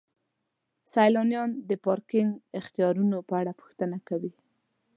سیلانیان د پارکینګ اختیارونو په اړه پوښتنه کوي.